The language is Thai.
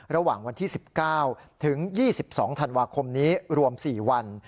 ระหว่างวันที่๑๙ถึง๒๒ธันวาคมนี้รวม๔วัน